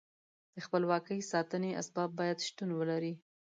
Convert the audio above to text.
د خپلواکۍ ساتنې اسباب باید شتون ولري.